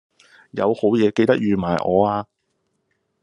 有好嘢記得預埋我呀